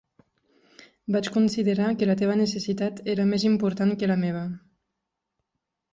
Vaig considerar que la teva necessitat era més important que la meva.